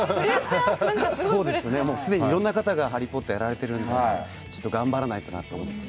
既にいろんな方がハリー・ポッターやられてるので頑張らないとなと思って。